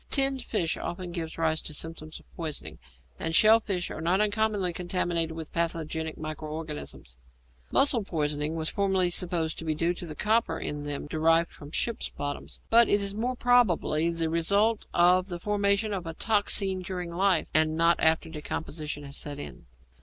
Tinned fish often gives rise to symptoms of poisoning, and shell fish are not uncommonly contaminated with pathogenic micro organisms. Mussel poisoning was formerly supposed to be due to the copper in them derived from ships' bottoms, but it is more probably the result of the formation of a toxine during life, and not after decomposition has set in.